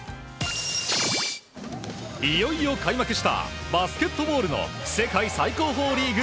いよいよ開幕したバスケットボールの世界最高峰リーグ